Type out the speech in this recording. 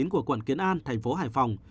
của quận kiến an thành phố hải phòng